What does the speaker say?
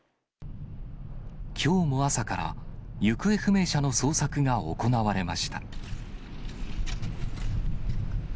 きょうも、朝から行方不明者の捜索が行われました。